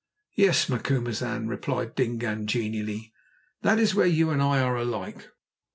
"Yes, Macumazahn," replied Dingaan quite genially. "That is where you and I are alike.